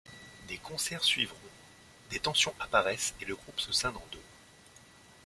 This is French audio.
Des concerts suivront, des tensions apparaissent et le groupe se scinde en deux.